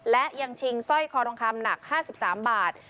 และยังชิงสร้อยคอรองคำหนักห้าสิบสามบาท